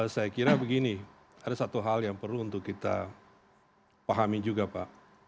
saya kira begini ada satu hal yang perlu untuk kita pahami juga pak